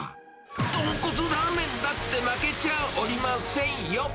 豚骨ラーメンだって負けちゃあおりませんよ。